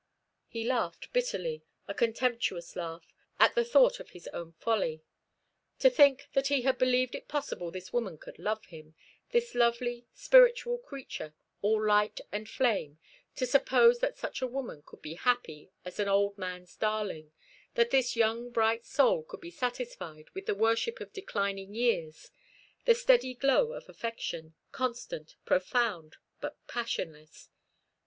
He laughed bitterly, a contemptuous laugh, at the thought of his own folly. To think that he had believed it possible this woman could love him this lovely, spiritual creature, all light and flame; to suppose that such a woman could be happy as an old man's darling, that this young bright soul could be satisfied with the worship of declining years, the steady glow of affection, constant, profound, but passionless!